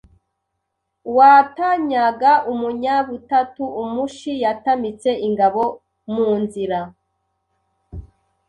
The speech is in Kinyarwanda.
Uwatanyaga umunyabutatu Umushi yatamitse ingabo mu nzira